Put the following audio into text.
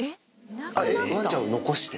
わんちゃんを残して？